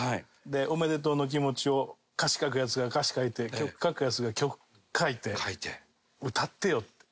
おめでとうの気持ちを歌詞書くヤツが歌詞書いて曲書くヤツが曲書いて歌ってよって。